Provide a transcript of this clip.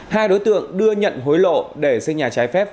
hai đối tượng đưa nhận hối lộ để xây nhà trái phép